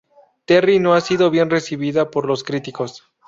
Terri no ha sido bien recibida por los críticos.